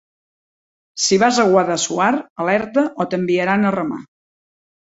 Si vas a Guadassuar alerta o t'enviaran a... remar.